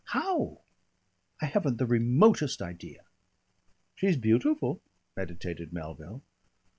How? I haven't the remotest idea." "She's beautiful," meditated Melville.